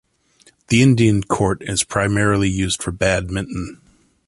The Indian court is primarily used for badminton.